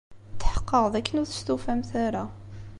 Tḥeqqeɣ d akken ur testufamt ara.